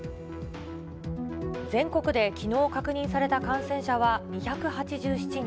全国できのう確認された感染者は２８７人。